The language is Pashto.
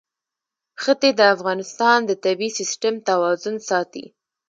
ښتې د افغانستان د طبعي سیسټم توازن ساتي.